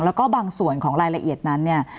แล้วก็บางส่วนของรายละเอียดนั้นเนี่ย